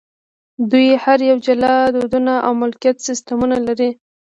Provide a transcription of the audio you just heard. دوی هر یو جلا دودونه او مالکیت سیستمونه لري.